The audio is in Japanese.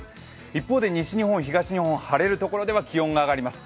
一方で西日本、東日本、晴れるところでは気温が上がります。